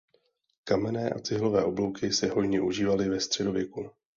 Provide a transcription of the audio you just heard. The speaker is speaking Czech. Kamenné a cihlové oblouky se hojně užívaly ve středověku.